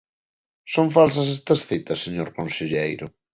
¿Son falsas estas citas, señor conselleiro?